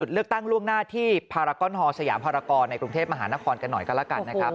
เลือกตั้งล่วงหน้าที่พารากอนฮอลสยามภารกรในกรุงเทพมหานครกันหน่อยก็แล้วกันนะครับ